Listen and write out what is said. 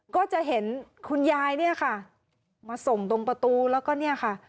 ก็จะเห็นคุณยายเนี่ยค่ะมาส่งตรงประตูแล้วก็เนี่ยค่ะ